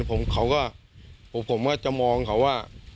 ผมก็จะมองเขาว่า